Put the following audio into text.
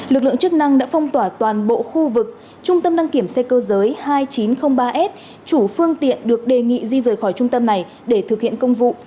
lực lượng chức năng đã phong tỏa toàn bộ khu vực trung tâm đăng kiểm xe cơ giới hai nghìn chín trăm linh ba s chủ phương tiện được đề nghị di rời khỏi trung tâm này để thực hiện công vụ